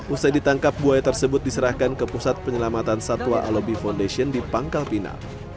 usai ditangkap buaya tersebut diserahkan ke pusat penyelamatan satwa alobi foundation di pangkal pinang